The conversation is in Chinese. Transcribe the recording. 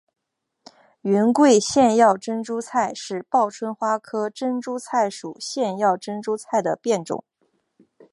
云贵腺药珍珠菜是报春花科珍珠菜属腺药珍珠菜的变种。